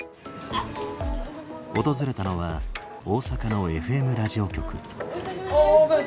訪れたのは大阪のＦＭラジオ局。